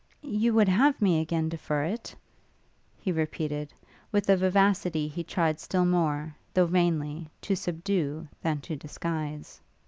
'You would have me again defer it?' he repeated, with a vivacity he tried still more, though vainly, to subdue than to disguise.